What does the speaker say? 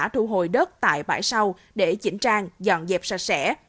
thu hồi đất tại bãi sau để chỉnh trang dọn dẹp sạch sẽ